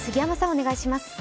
お願いします。